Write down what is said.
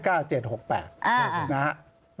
คือ๙๗๖๘นะครับ